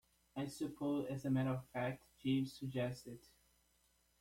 I suppose, as a matter of fact, Jeeves suggested it.